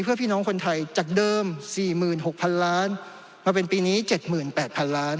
เพื่อพี่น้องคนไทยจากเดิม๔๖๐๐๐ล้านมาเป็นปีนี้๗๘๐๐๐ล้าน